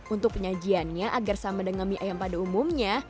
untuk penyajiannya agar sama dengan mie ayam pada umumnya